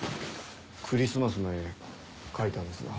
クリスマスの絵描いたんですが。